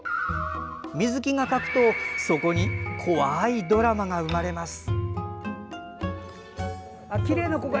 水木が描くとそこに怖いドラマが生まれます。